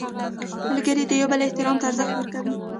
ملګری د یو بل احترام ته ارزښت ورکوي